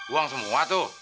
uang semua tuh